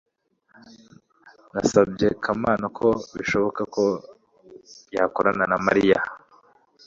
nasabye kamana ko bishoboka ko yakorana na mariya